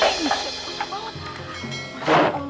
eh gue mau makan